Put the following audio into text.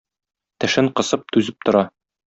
тешен кысып түзеп тора.